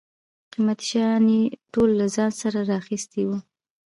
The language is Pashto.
قیمتي شیان یې ټول له ځان سره را اخیستي و.